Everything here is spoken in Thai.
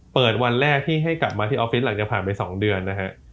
เปิดวันแรกที่ให้กลับมาที่ออฟฟิศหลังจากผ่านไป๒เดือนนะฮะ